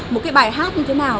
một cái bài hát như thế nào